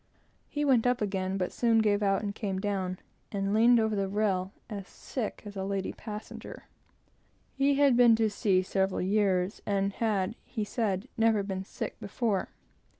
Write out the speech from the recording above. He went up again, but soon gave out and came down, and leaned over the rail, "as sick as a lady passenger." He had been to sea several years, and had, he said, never been sick before.